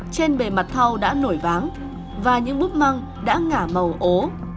trên bề mặt thao đã nổi váng và những bức măng đã ngả màu ố